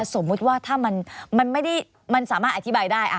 สมมุติว่าถ้ามันไม่ได้มันสามารถอธิบายได้